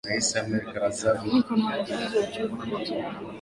Niko na wanafunzi wa chuo kikuu cha Moi